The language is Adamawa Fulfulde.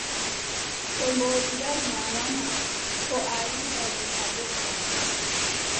To mboodi mbari maama ma, koo a yiʼi baajol, a doggan.